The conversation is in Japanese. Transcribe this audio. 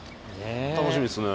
楽しみですね。